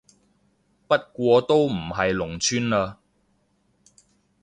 不過都唔係農村嘞